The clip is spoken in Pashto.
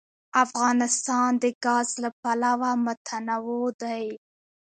افغانستان د ګاز له پلوه متنوع دی.